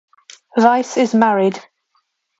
Weiss is married.